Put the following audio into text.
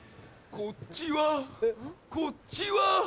こっちはこっちは